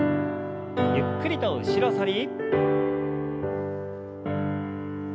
ゆっくりと後ろ反り。